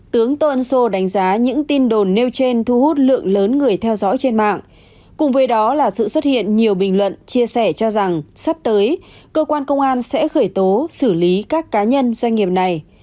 tướng tôn sô đánh giá những tin đồn nêu trên thu hút lượng lớn người theo dõi trên mạng cùng với đó là sự xuất hiện nhiều bình luận chia sẻ cho rằng sắp tới cơ quan công an sẽ khởi tố xử lý các cá nhân doanh nghiệp này